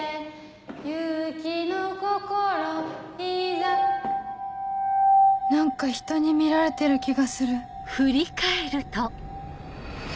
勇気の心いざ何かひとに見られてる気がする